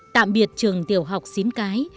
tạm biệt trường tiểu học xín cái